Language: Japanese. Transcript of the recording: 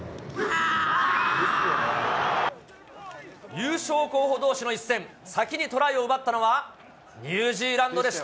優勝候補どうしの一戦、先にトライを奪ったのは、ニュージーランドでした。